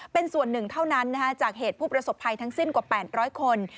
เป็นส่วนหนึ่งเท่านั้นจากเหตุผู้ประสบภัยทั้งสิ้นกว่า๘๐๐คน